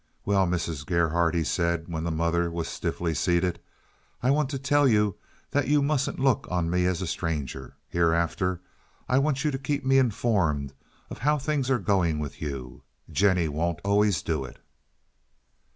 "Well, Mrs. Gerhardt," he said, when the mother was stiffly seated, "I want to tell you that you mustn't look on me as a stranger. Hereafter I want you to keep me informed of how things are going with you. Jennie won't always do it."